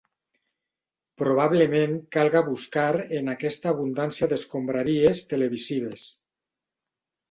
Probablement calga buscar en aquesta abundància d'escombraries televisives.